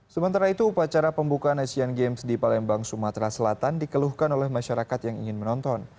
sementara itu upacara pembukaan asian games di palembang sumatera selatan dikeluhkan oleh masyarakat yang ingin menonton